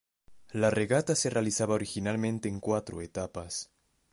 La regata se realizaba originalmente en cuatro etapas.